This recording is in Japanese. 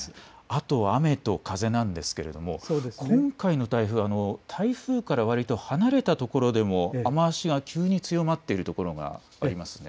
あと雨と風ですが今回の台風は台風からわりと離れた所でも雨足が急に強まっている所がありますね。